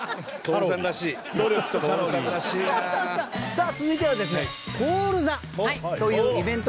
さあ続いてはですね徹座というイベントからですね